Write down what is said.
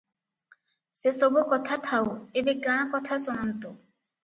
ସେସବୁ କଥା ଥାଉ, ଏବେ ଗାଁକଥା ଶୁଣନ୍ତୁ ।